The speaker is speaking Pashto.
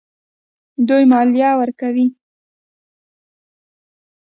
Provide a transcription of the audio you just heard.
دوی مالیه ورکوي.